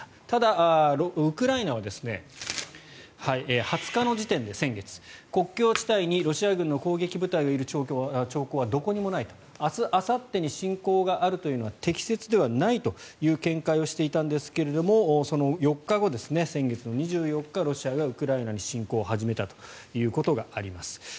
ただ、ウクライナは先月２０日の時点で国境地帯にロシア軍の攻撃部隊がいる兆候はどこにもないと明日、あさってに侵攻があるというのは適切ではないという見解をしていたんですがその４日後、先月の２４日ロシアがウクライナに侵攻を始めたということがあります。